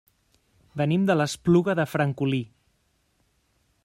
Venim de l'Espluga de Francolí.